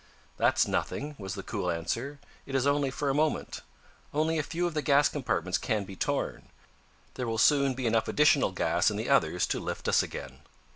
"That's nothing," was the cool answer. "It is only for a moment. Only a few of the gas compartments can be torn. There will soon enough additional gas in the others to lift us again."